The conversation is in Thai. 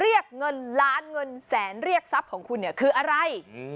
เรียกเงินล้านเงินแสนเรียกทรัพย์ของคุณเนี่ยคืออะไร